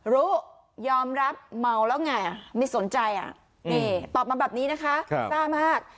รู้ยอมรับเมาแล้วไงไม่สนใจอ่ะนี่ตอบมาแบบนี้นะคะซ่ามาก